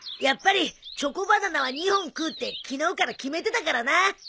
やっぱりチョコバナナは２本食うって昨日から決めてたからな！